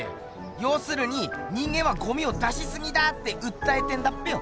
ようするに人間はゴミを出しすぎだってうったえてんだっぺよ。